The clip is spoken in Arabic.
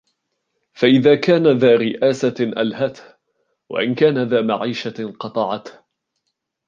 فَإِذَا كَانَ ذَا رِئَاسَةٍ أَلْهَتْهُ ، وَإِنْ كَانَ ذَا مَعِيشَةٍ قَطَعَتْهُ